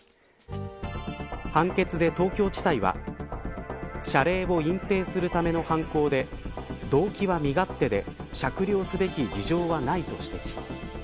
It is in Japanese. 判決で東京地裁は謝礼を隠蔽するための犯行で動機は身勝手で酌量すべき事情はないと指摘。